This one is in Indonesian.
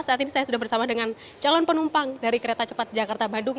saat ini saya sudah bersama dengan calon penumpang dari kereta cepat jakarta bandung